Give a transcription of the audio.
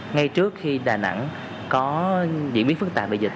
ngay trước khi đà nẵng có dịch